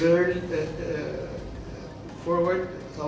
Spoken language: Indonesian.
delapan tahun yang lalu